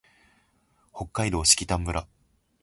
北海道色丹村